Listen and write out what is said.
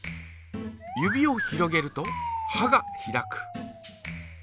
指を広げるとはが開く。